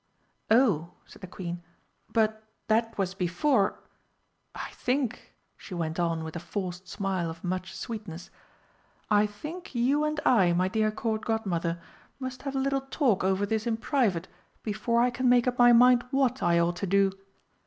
"Oh," said the Queen, "but that was before I think," she went on with a forced smile of much sweetness "I think you and I, my dear Court Godmother, must have a little talk over this in private before I can make up my mind what I ought to do.